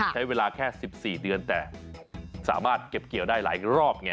ใช้เวลาแค่๑๔เดือนแต่สามารถเก็บเกี่ยวได้หลายรอบไง